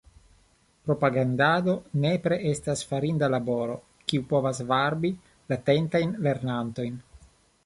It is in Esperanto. Propagandado nepre estas farinda laboro, kiu povas varbi latentajn lernantojn.